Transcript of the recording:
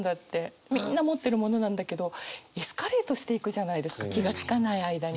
みんな持ってるものなんだけどエスカレートしていくじゃないですか気が付かない間に。